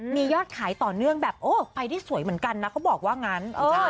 มียอดขายต่อเนื่องแบบโอ้ไปได้สวยเหมือนกันนะเขาบอกว่างั้น